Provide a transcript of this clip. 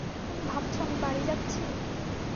তুমি ভাবছো আমি বাড়ি যাচ্ছি?